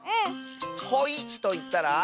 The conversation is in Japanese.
「ほい」といったら？